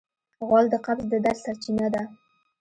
غول د قبض د درد سرچینه ده.